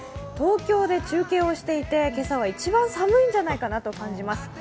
東京で中継をしていて今朝は一番寒いんじゃないかなと感じます。